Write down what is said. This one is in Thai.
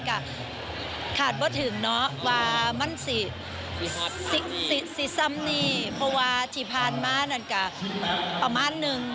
ก็คาดว่าถึงเนาะวามั่นสิซัมนี่เพราะว่าที่ผ่านมานั้นก็ประมาณนึง